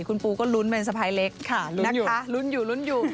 คุณปูก็รุ้นเป็นสะพายเล็กนะคะรุ้นอยู่